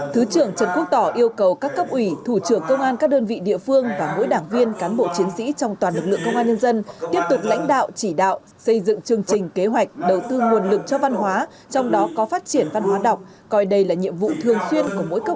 thứ trưởng trần quốc tỏ yêu cầu các cấp ủy thủ trưởng công an các đơn vị địa phương và mỗi đảng viên cán bộ chiến sĩ trong toàn lực lượng công an nhân dân tiếp tục lãnh đạo chỉ đạo xây dựng chương trình kế hoạch đầu tư nguồn lực cho văn hóa trong đó có phát triển văn hóa đọc coi đây là nhiệm vụ thường xuyên của mỗi cấp